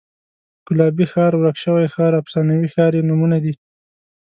ګلابي ښار، ورک شوی ښار، افسانوي ښار یې نومونه دي.